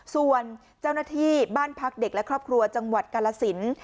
ส่วนเจ้าหน้าที่บ้านพักเด็กและครอบครัวจังหวัดกาลสิน